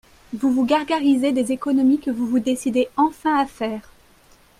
Vous vous gargarisez des économies que vous vous décidez enfin à faire.